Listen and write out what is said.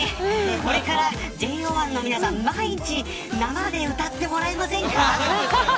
これからＪＯ１の皆さん毎日生で歌ってもらえませんか。